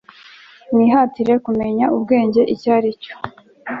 mwihatire kumenya ubwenge icyo ari cyo